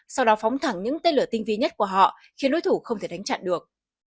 sau đó phóng thẳng những tên lửa tinh vi nhất của họ khiến đối thủ không thể đánh chặn được